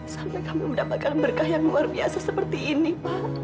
sampai kamu mendapatkan berkah yang luar biasa seperti ini pak